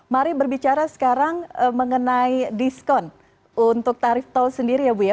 mari berbicara sekarang mengenai diskon untuk tarif tol sendiri ya bu ya